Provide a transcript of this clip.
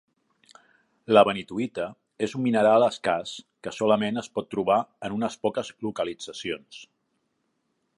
La Benitoïta és un mineral escàs que solament es pot trobar en unes poques localitzacions.